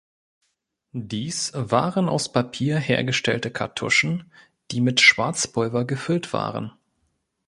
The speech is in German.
Dies waren aus Papier hergestellte Kartuschen, die mit Schwarzpulver gefüllt waren.